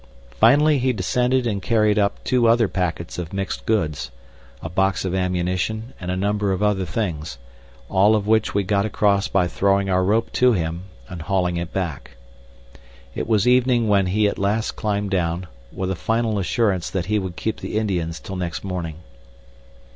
Finally he descended and carried up two other packets of mixed goods a box of ammunition and a number of other things, all of which we got across by throwing our rope to him and hauling it back. It was evening when he at last climbed down, with a final assurance that he would keep the Indians till next morning.